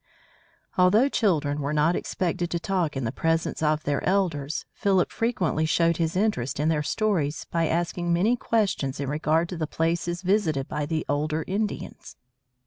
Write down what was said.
Although children were not expected to talk in the presence of their elders, Philip frequently showed his interest in their stories by asking many questions in regard to the places visited by the older Indians.